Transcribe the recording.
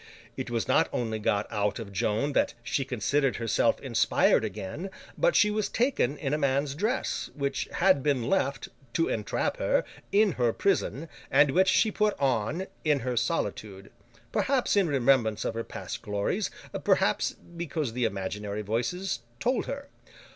It was not only got out of Joan that she considered herself inspired again, but, she was taken in a man's dress, which had been left—to entrap her—in her prison, and which she put on, in her solitude; perhaps, in remembrance of her past glories, perhaps, because the imaginary Voices told her.